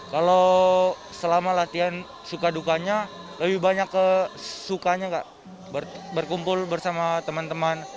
kalau selama latihan suka dukanya lebih banyak kesukanya berkumpul bersama temen temen